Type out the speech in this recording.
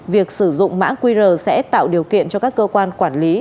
việc sử dụng mã qr sẽ tạo điều kiện cho các cơ quan quản lý